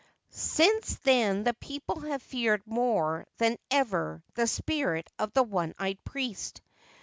Since then the people have feared more than ever the spirit of the one eyed priest.